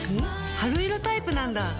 春色タイプなんだ。